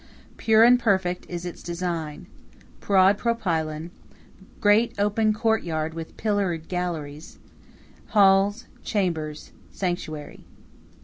Pure and perfect is its design broad propylon, great open courtyard with pillared galleries, halls, chambers, sanctuary.